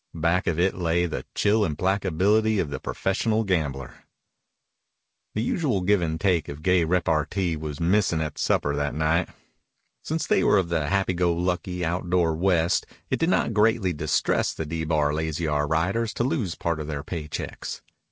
Back of it lay the chill implacability of the professional gambler. The usual give and take of gay repartee was missing at supper that night. Since they were of the happy go lucky, outdoor West it did not greatly distress the D Bar Lazy R riders to lose part of their pay checks.